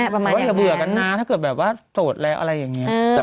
ประมาณว่าอย่าเบื่อกันนะถ้าเกิดแบบว่าโสดแล้วอะไรอย่างนี้